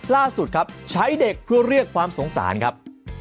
ล่าสุดครับใช้เด็กเพื่อเรียกความสงสารครับ